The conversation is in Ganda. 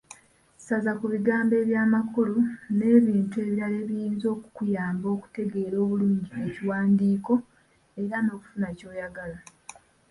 Saza ku bigambo eby’amakulu, n’ebintu ebirala ebiyinza okukuyamba okutegeera obulungi ekiwandiiko era n’okufuna ky’oyagala.